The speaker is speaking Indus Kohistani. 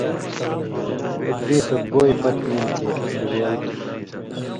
اک دیس اوک بوئے پتہۡ ایلیۡ چے بگ ول تُھو۔